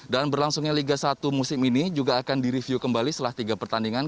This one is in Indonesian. dan berlangsungnya liga satu musim ini juga akan direview kembali setelah tiga pertandingan